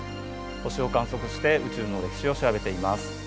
星を観測して宇宙の歴史を調べています。